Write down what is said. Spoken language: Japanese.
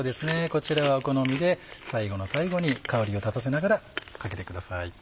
こちらはお好みで最後の最後に香りを立たせながらかけてください。